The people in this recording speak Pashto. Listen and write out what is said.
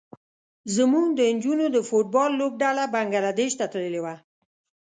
زموږ د نجونو د فټ بال لوبډله بنګلادیش ته تللې وه.